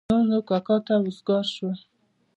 نور نو کاکا ته وزګار شوم.